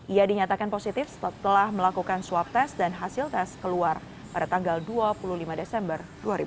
ia dinyatakan positif setelah melakukan swab test dan hasil tes keluar pada tanggal dua puluh lima desember dua ribu dua puluh